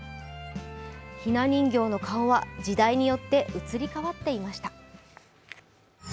ひな人形の顔は、時代によって移り変わっていました。